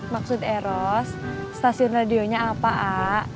maksud eros stasiun radionya apa a